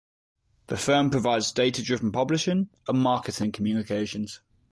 The firm provides data-driven publishing and marketing communications.